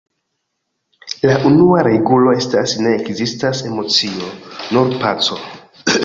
La unua regulo estas: "Ne ekzistas emocio; nur paco".